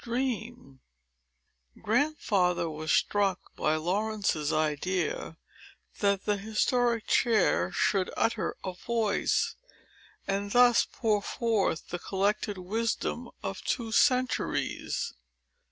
Chapter XI Grandfather was struck by Laurence's idea, that the historic chair should utter a voice, and thus pour forth the collected wisdom of two centuries.